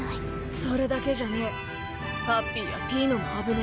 それだけじゃねえハッピーやピーノも危ねぇ。